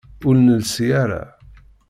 Ur nelsi ara.